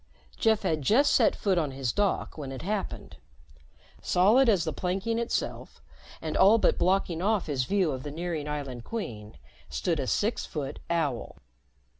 Jeff had just set foot on his dock when it happened. Solid as the planking itself, and all but blocking off his view of the nearing Island Queen, stood a six foot owl.